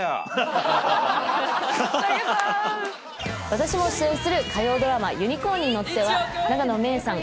私も出演する火曜ドラマ「ユニコーンに乗って」は永野芽郁さん